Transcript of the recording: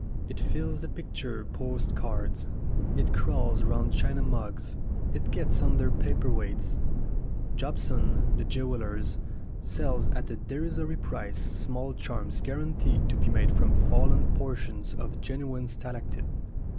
It fills the picture post cards, it crawls round china mugs, it gets under paper weights. Jobson, the jewel ler, sells at a derisory price small charms "guaranteed to be made from fallen portions of genuine stalactite."